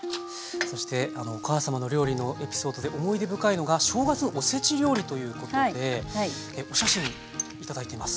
そしてお母様の料理のエピソードで思い出深いのが正月のおせち料理ということでお写真頂いています。